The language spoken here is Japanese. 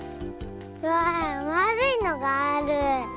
わあまあるいのがある。